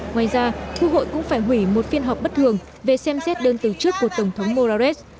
ngoài ra quốc hội cũng phải hủy một phiên họp bất thường về xem xét đơn từ chức của tổng thống morales